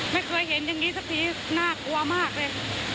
ไม่เคยเห็นอย่างนี้สักทีน่ากลัวมากเลย